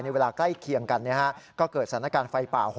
เวลาใกล้เคียงกันก็เกิดสถานการณ์ไฟป่า